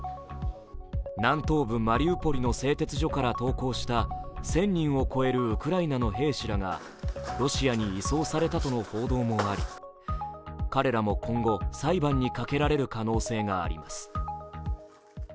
南東部マリウポリの製鉄所から投降した１０００人を超えるウクライナの兵士らがロシアに移送されたとの報道もあり彼らも今後、裁判にかけられる可能性があります。